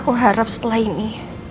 aku harap setelah ini